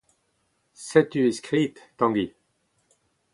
Setu e skrid, Tangi.